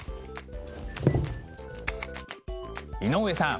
井上さん。